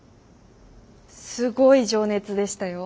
すごい情熱でしたよ。